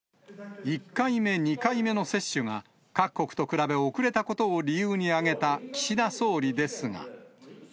１回目、２回目の接種が、各国と比べ遅れたことを理由に挙げた岸田総理ですが。